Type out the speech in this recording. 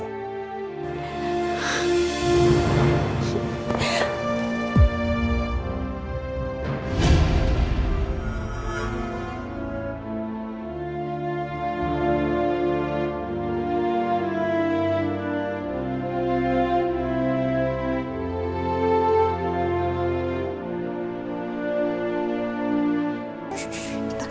ya tuhan aku ingin pergi